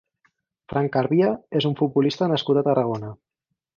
Fran Carbia és un futbolista nascut a Tarragona.